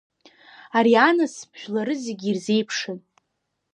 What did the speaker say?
Ари анасыԥ жәлары зегьы ирзеиԥшын.